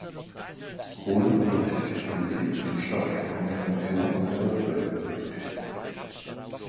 Holden unterrichtet jetzt Politikwissenschaft und Kommunikation an der Webster University.